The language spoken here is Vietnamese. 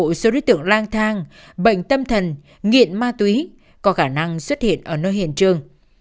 đối với số đối tượng lang thang bệnh tâm thần nghiện ma túy có khả năng xuất hiện ở nơi hiện trường